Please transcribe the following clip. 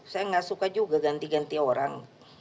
saya nggak suka juga ganti ganti orang